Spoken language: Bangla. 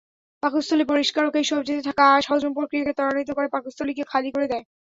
পাকস্থলী পরিষ্কারকএই সবজিতে থাকা আঁশ হজম প্রক্রিয়াকে ত্বরান্বিত করে, পাকস্থলীকে খালি করে দেয়।